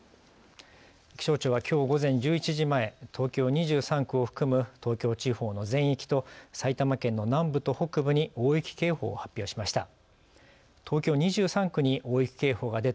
気象庁は、きょう午前１１時前東京２３区を含む東京地方の全域と埼玉県の南部と北部に大雪警報を発表しました。